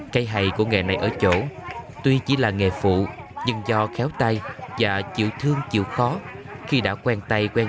cây hày của nghệ này ở chỗ tuy chỉ là nghề phụ nhưng do khéo tay giả chịu thương chịu khó khi đã quen tay quen